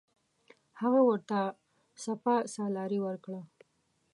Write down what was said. هغه ورته سپه سالاري ورکړه.